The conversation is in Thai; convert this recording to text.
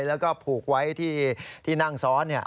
แล้วก็ผูกไว้ที่นั่งซ้อน